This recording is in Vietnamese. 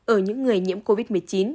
ở những người nhiễm covid một mươi chín